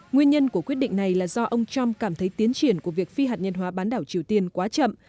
nguyên nhân của quyết định này là do ông trump cảm thấy tiến triển của việc phi hạt nhân hóa bán đảo triều tiên quá chậm